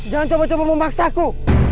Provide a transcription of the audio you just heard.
jangan coba coba memaksaku